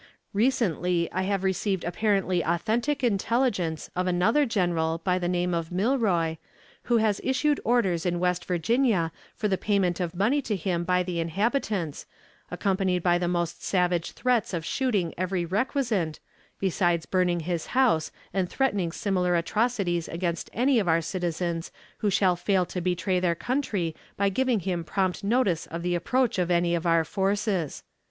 Recently I have received apparently authentic intelligence of another general by the name of Milroy, who has issued orders in West Virginia for the payment of money to him by the inhabitants, accompanied by the most savage threats of shooting every recusant, besides burning his house, and threatening similar atrocities against any of our citizens who shall fail to betray their country by giving him prompt notice of the approach of any of our forces.